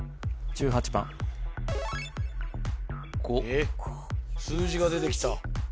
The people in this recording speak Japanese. えっ数字が出てきた